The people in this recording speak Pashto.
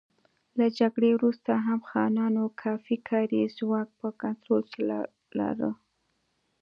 له جګړې وروسته هم خانانو کافي کاري ځواک په کنټرول کې لاره.